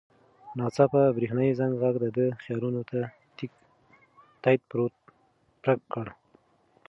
ناڅاپه د برېښنایي زنګ غږ د ده خیالونه تیت پرک کړل.